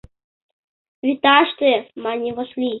— Вӱташте! — мане Васлий.